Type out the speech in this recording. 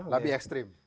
lebih ekstrim betul